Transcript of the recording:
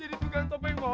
harimien pergi ke pasar